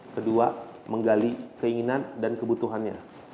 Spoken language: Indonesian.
kedua menggali keinginan dan kebutuhannya